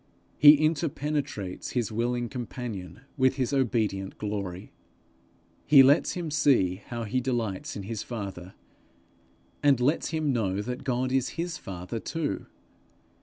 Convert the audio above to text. He interpenetrates his willing companion with his obedient glory. He lets him see how he delights in his father, and lets him know that God is his father too.